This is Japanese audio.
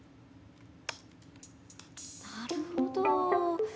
なるほど。